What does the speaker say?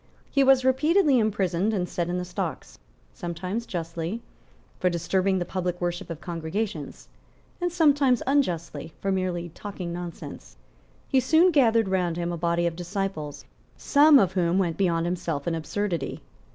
He was repeatedly imprisoned and set in the stocks, sometimes justly, for disturbing the public worship of congregations, and sometimes unjustly, for merely talking nonsense. He soon gathered round him a body of disciples, some of whom went beyond himself in absurdity.